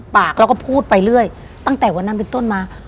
ปากล่องกูพูดไปเรื่อยตั้งแต่วันนั้นมีพี่ต้นมา